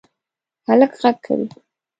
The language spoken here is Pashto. هلک غږ کوی